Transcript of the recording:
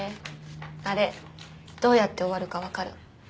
あれどうやって終わるか分かる？